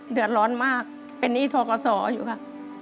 เดือดร้อนมากเป็นหนี้ทกศอยู่ค่ะ